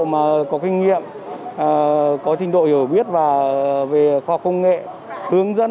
mà có kinh nghiệm có trình độ hiểu biết và về khoa học công nghệ hướng dẫn